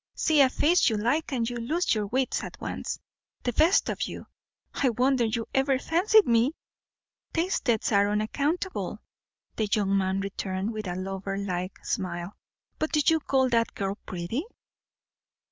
See a face you like, and you lose your wits at once, the best of you. I wonder you ever fancied me!" "Tastes are unaccountable," the young man returned, with a lover like smile. "But do you call that girl pretty?"